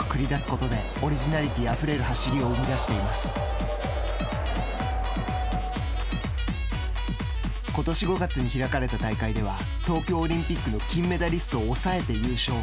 ことし５月に開かれた大会では東京オリンピックの金メダリストを抑えて優勝。